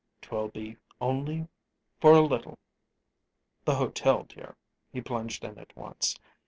"'Twill be only for a little the hotel, dear," he plunged in at once.